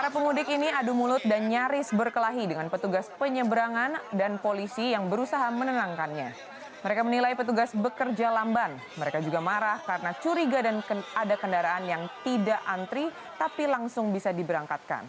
pemudik menyeberang hingga sabtu siang